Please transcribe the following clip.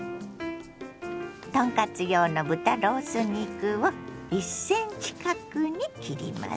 豚カツ用の豚ロース肉を１ｃｍ角に切ります。